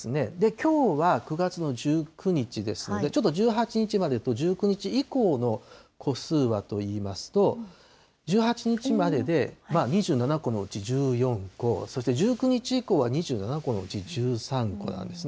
きょうは９月の１９日ですので、ちょっと１８日までと１９日以降の個数はといいますと、１８日までで２７個のうち１４個、そして１９日以降は２７個のうち１３個なんですね。